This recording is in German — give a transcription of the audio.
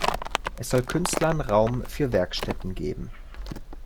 Es soll Künstlern Raum für Werkstätten geben.